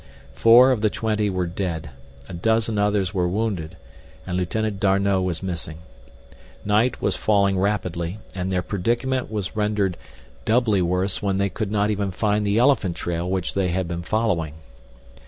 Four of the twenty were dead, a dozen others were wounded, and Lieutenant D'Arnot was missing. Night was falling rapidly, and their predicament was rendered doubly worse when they could not even find the elephant trail which they had been following.